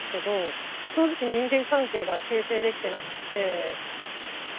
正直人間関係が形成できてなくって。